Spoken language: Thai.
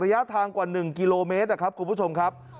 ระยะทางกว่า๑กิโลเมตรนะครับคุณผู้ชมครับ